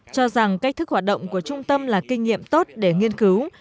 cho rằng cách thức hoạt động của trung tâm là kinh nghiệm tốt để nghiên cứu